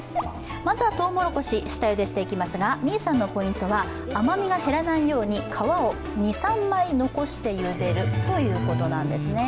まずはとうもろこし下ゆでしていきますがみぃさんのポイントは甘みが減らないように皮を２３枚残してゆでるということなんですね。